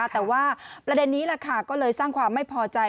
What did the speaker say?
แต่ว่าประเด็นนี้ก็เลยสร้างความไม่พอใจ